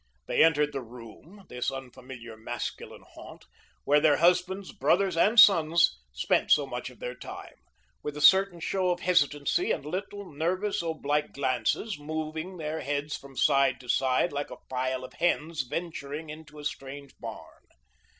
They entered the room this unfamiliar masculine haunt, where their husbands, brothers, and sons spent so much of their time with a certain show of hesitancy and little, nervous, oblique glances, moving their heads from side to side like a file of hens venturing into a strange barn.